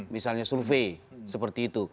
misalnya survei seperti itu